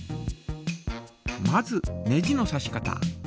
まずネジのさし方。